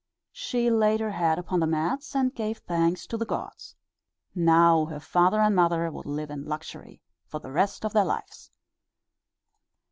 She laid her head upon the mats and gave thanks to the gods. Now her father and mother would live in luxury for the rest of their lives!